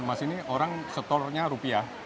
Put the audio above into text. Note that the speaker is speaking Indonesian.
emas ini orang setornya rupiah